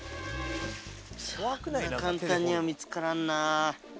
そんな簡単には見つからんなぁ。